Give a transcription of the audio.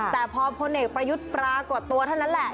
แต่พอพลเอกประยุทธ์ปรากฏตัวเท่านั้นแหละ